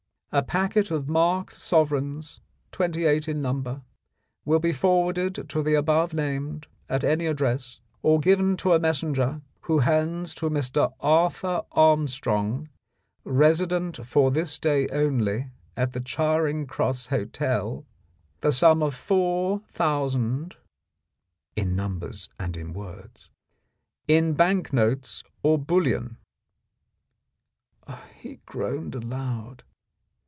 A packet of marked sove reigns, twenty eight in number, will be forwarded to the above named at any address or given to a mes senger who hands to Mr. Arthur Armstrong (resident for this day only at the Charing Cross Hotel) the sum °f ^4>ooo (four thousand) in bank notes or bullion." He groaned aloud.